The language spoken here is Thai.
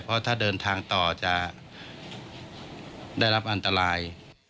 เพราะถ้าเดินทางต่อจะได้รับอันตราย